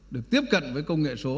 được tiếp cận với công nghệ số